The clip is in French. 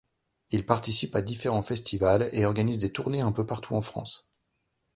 Ils participent à différents festivals, et organisent des tournées un peu partout en France.